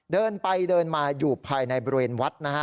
เดินไปเดินมาอยู่ภายในบริเวณวัดนะฮะ